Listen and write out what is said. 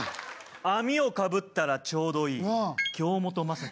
網を被ったらちょうどいい京本政樹。